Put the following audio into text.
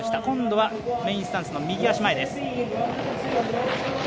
今度はメインスタンスの右足前です。